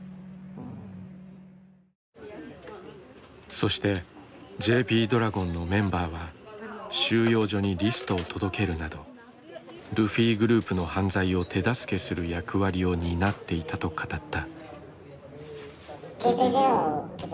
そしてＪＰドラゴンのメンバーは収容所にリストを届けるなどルフィグループの犯罪を手助けする役割を担っていたと語った。